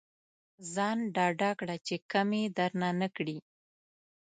ځان ډاډه کړه چې کمې درنه نه کړي.